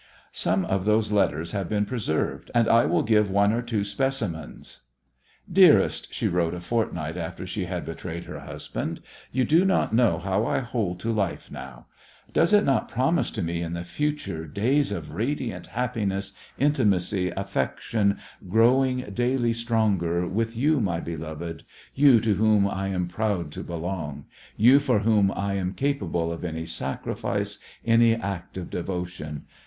Some of those letters have been preserved, and I will give one or two specimens. "Dearest," she wrote a fortnight after she had betrayed her husband, "you do not know how I hold to life now. Does it not promise to me in the future days of radiant happiness, intimacy, affection growing daily stronger, with you, my beloved, you to whom I am proud to belong, you for whom I am capable of any sacrifice, any act of devotion?